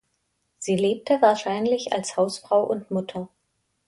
Sie lebte wahrscheinlich als Hausfrau und Mutter.